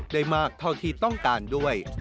ได้มากเท่าที่ต้องการด้วย